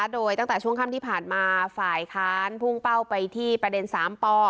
โดยตั้งแต่ช่วงค่ำที่ผ่านมาฝ่ายค้านพุ่งเป้าไปที่ประเด็น๓ป